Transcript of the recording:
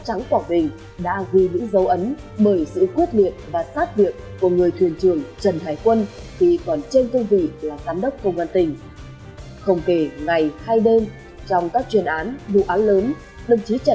trong phong trào thi đua yêu nước chủ tịch hồ chí minh đã từng nói